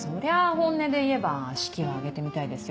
本音で言えば式は挙げてみたいですよ。